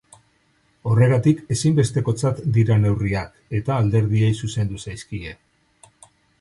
Horregatik ezinbestekotzat dira neurriak eta alderdiei zuzendu zaizkie.